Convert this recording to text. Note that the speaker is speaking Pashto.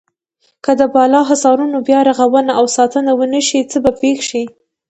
که د بالا حصارونو بیا رغونه او ساتنه ونشي څه به پېښ شي.